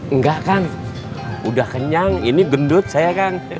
enggak kang udah kenyang ini gendut saya kang